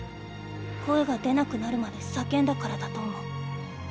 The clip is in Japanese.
声が出なくなるまで叫んだからだと思う。